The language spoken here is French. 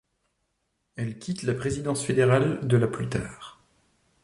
Elle quitte la présidence fédérale de la plus tard.